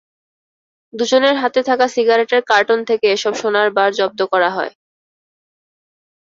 দুজনের হাতে থাকা সিগারেটের কার্টন থেকে এসব সোনার বার জব্দ করা হয়।